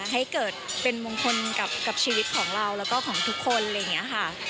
ให้เกิดเป็นมงคลกับชีวิตของเราแล้วก็ของทุกคนอะไรอย่างนี้ค่ะ